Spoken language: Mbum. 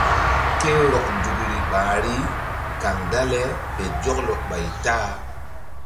Ke rɔk nzukri ɓahri kaŋ dale fe zɔklɔ ɓay ta-a.